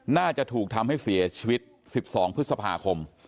น่าจะถูกทำให้เสียชีวิต๑๒พฤษภาคม